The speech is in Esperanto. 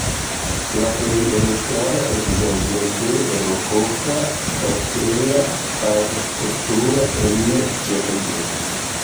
La plej elstara ekzemplo de rokoka kastela arkitekturo en Ĉeĥio.